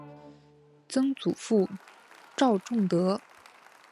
曾祖父赵仲德。